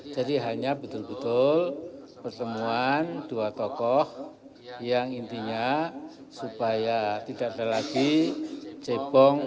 jadi hanya betul betul pertemuan dua tokoh yang intinya supaya tidak ada lagi cepong